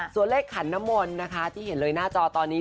ส่วนเลขขันน้ำมนต์นะคะที่เห็นเลยหน้าจอตอนนี้